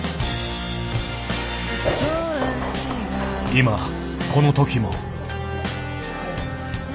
今この時も。